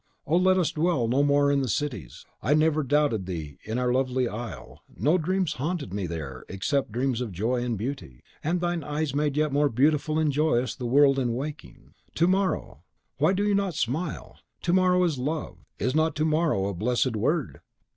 Oh, let us dwell no more in cities! I never doubted thee in our lovely isle; no dreams haunted me there, except dreams of joy and beauty; and thine eyes made yet more beautiful and joyous the world in waking. To morrow! why do you not smile? To morrow, love! is not TO MORROW a blessed word!